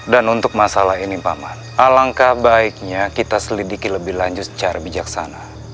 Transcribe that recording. dan untuk masalah ini paman alangkah baiknya kita selidiki lebih lanjut secara bijaksana